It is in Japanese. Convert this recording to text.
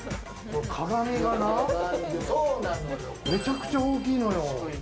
鏡がな、めちゃくちゃ大きいのよ。